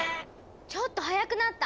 ちょっと速くなった。